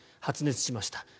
発熱しました。